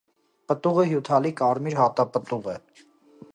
Պտուղը հյութալի, կարմիր հատապտուղ է։